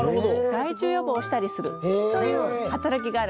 害虫予防をしたりするという働きがあるんです。